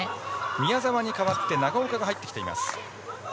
宮澤に代わって長岡が入ってきています。